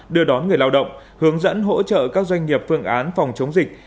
đưa đón người lao động hướng dẫn hỗ trợ các doanh nghiệp phương án phòng chống dịch